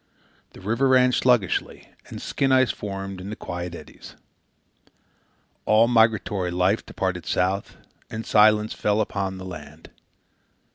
The river ran sluggishly, and skin ice formed in the quiet eddies. All migratory life departed south, and silence fell upon the land.